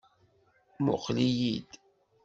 Muqel-iyi-d.